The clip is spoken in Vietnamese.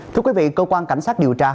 thưa quý vị cơ quan cảnh sát điều tra